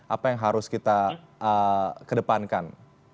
apa yang harus kita kedepankan